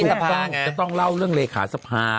เราก็ต้องเล่าเรื่องเลขาสะพา